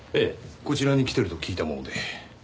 こちらに来てると聞いたもので。